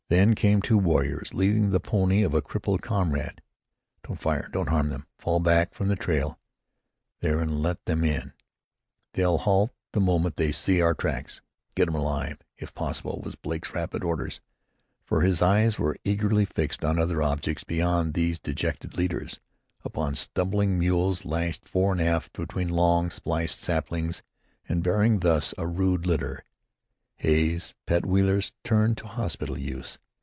Then came two warriors, leading the pony of a crippled comrade. "Don't fire Don't harm them! Fall back from the trail there and let them in. They'll halt the moment they see our tracks! Get 'em alive, if possible!" were Blake's rapid orders, for his eyes were eagerly fixed on other objects beyond these dejected leaders upon stumbling mules, lashed fore and aft between long, spliced saplings and bearing thus a rude litter Hay's pet wheelers turned to hospital use.